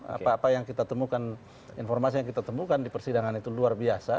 apa apa yang kita temukan informasi yang kita temukan di persidangan itu luar biasa